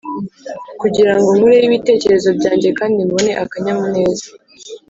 kugira ngo nkureho ibitekerezo byanjye kandi mbone akanyamuneza.